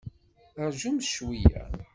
Rjumt cweyya!